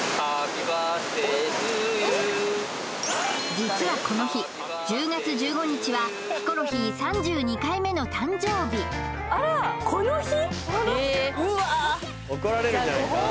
実はこの日１０月１５日はヒコロヒー３２回目の誕生日